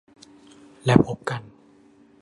และพบกัน